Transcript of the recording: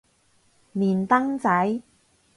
連登仔